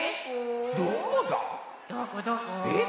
えっ？